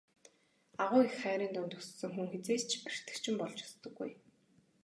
Агуу их хайрын дунд өссөн хүн хэзээ ч бэртэгчин болж өсдөггүй.